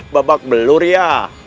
babak belur ya